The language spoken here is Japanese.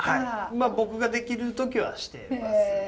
まあ僕ができる時はしてますね。